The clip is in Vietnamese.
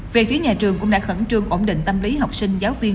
về phía nhà trường cũng đã khẩn trương ổn định tâm lý học sinh giáo viên